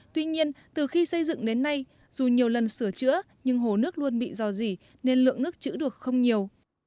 tuy nhiên từ khi xây dựng đến nay dù nhiều lần sửa chữa nhưng hồ nước luôn bị dò dỉ nên lượng nước chữ được không nhiều